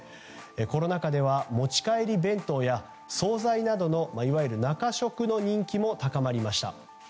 コロナ禍では持ち帰り弁当や総菜などの中食の人気なども高まりました。